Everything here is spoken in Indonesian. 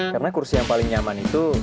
karena kursi yang paling nyaman itu